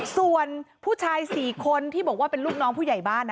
ส่วนผู้ชาย๔คนที่บอกว่าเป็นลูกน้องผู้ใหญ่บ้าน